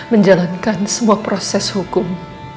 menjalankan semua proses hukum